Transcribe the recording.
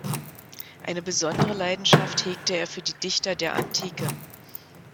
Eine besondere Leidenschaft hegte er für die Dichter der Antike.